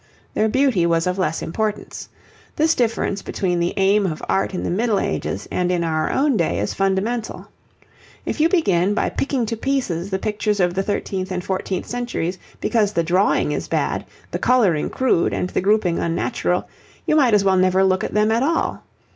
Their beauty was of less importance. This difference between the aim of art in the Middle Ages and in our own day is fundamental. If you begin by picking to pieces the pictures of the thirteenth and fourteenth centuries because the drawing is bad, the colouring crude, and the grouping unnatural, you might as well never look at them at all.